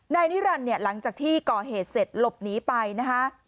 นายนิรันดิ์เนี่ยหลังจากที่ก่อเหตุเสร็จหลบหนีไปนะคะ